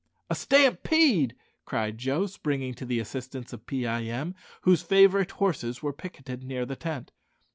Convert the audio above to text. "A stampede!" cried Joe, springing to the assistance of Pee eye em, whose favourite horses were picketed near the tent.